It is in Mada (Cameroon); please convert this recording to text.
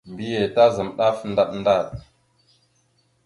Mbiyez tazam ɗaf ndaɗ ndaɗ.